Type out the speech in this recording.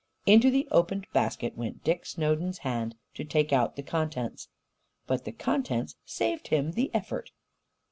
Into the opened basket went Dick Snowden's hand, to take out the contents. But the contents saved him the effort.